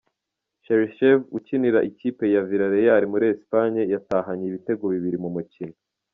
Cherychev ukinira ikipe ya Villareal muri Espagne yatahanye ibitego bibiri mu mukino.